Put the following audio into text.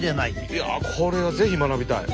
いやこれは是非学びたい。